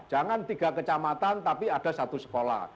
jangan tiga kecamatan tapi ada satu sekolah